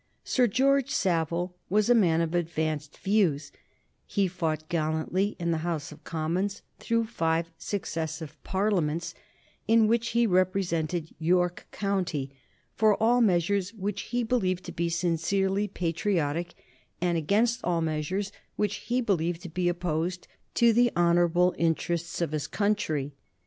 Sir George Savile was a man of advanced views; he fought gallantly in the House of Commons through five successive Parliaments, in which he represented York County, for all measures which he believed to be sincerely patriotic, and against all measures which he believed to be opposed to the honorable interests of his country.